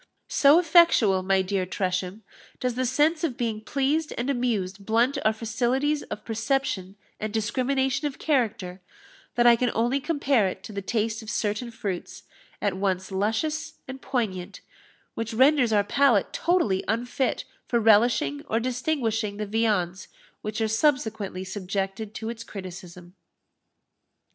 _ So effectual, my dear Tresham, does the sense of being pleased and amused blunt our faculties of perception and discrimination of character, that I can only compare it to the taste of certain fruits, at once luscious and poignant, which renders our palate totally unfit for relishing or distinguishing the viands which are subsequently subjected to its criticism.